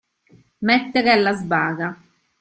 Mettere alla sbarra.